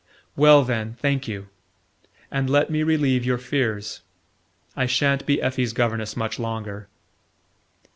"Well, then, thank you and let me relieve your fears. I sha'n't be Effie's governess much longer."